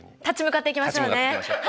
立ち向かっていきましょうね。